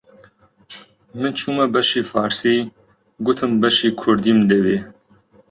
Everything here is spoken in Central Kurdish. من چوومە بەشی فارسی، گوتم بەشی کوردیم دەوێ